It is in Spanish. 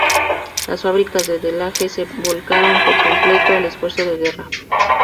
Las fábricas de Delage se volcaron por completo al esfuerzo de guerra.